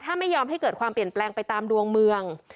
ถ้าไม่ยอมให้เกิดความเปลี่ยนแปลงไปตามดวงเมือง